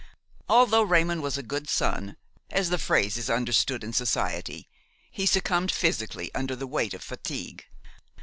Although Raymon was a good son, as the phrase is understood in society, he succumbed physically under the weight of fatigue.